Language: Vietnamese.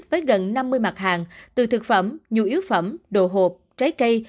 với gần năm mươi mặt hàng từ thực phẩm nhu yếu phẩm đồ hộp trái cây